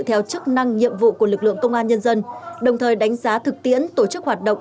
theo chức năng nhiệm vụ của lực lượng công an nhân dân đồng thời đánh giá thực tiễn tổ chức hoạt động